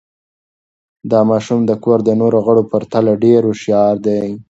دا ماشوم د کور د نورو غړو په پرتله ډېر هوښیار دی.